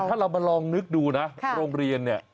ถ้าเรามาลองนึกดูนะโรงเรียนเนี่ย